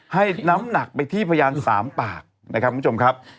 ให้น้ำหนักไปที่พยาน๓ปากนะครับคุณผู้ชมครับ